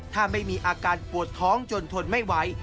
ถ้าไม่มีอาการปวดท้องจนทนไม่ไหว